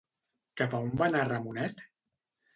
Cap a on va anar Ramonet?